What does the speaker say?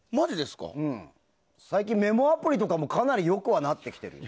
最近、メモアプリとかもかなり良くなってきてるよ。